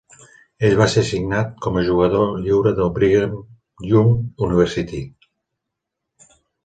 Ell va ser signat com a jugador lliure de Brigham Young University.